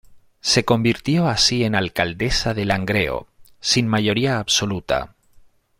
Se convirtió así en alcaldesa de Langreo, sin mayoría absoluta.